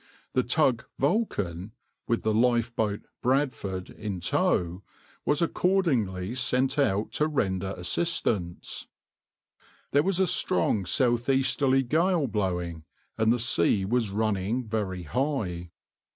The tug {\itshape{Vulcan}}, with the lifeboat {\itshape{Bradford}} in tow, was accordingly sent out to render assistance. There was a strong south easterly gale blowing, and the sea was running very high.